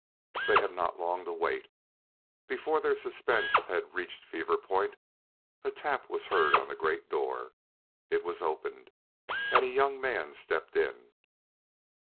They had not long to wait. Before their suspense had reached fever point, a tap was heard on the great door. It was opened, and a young man stepped in.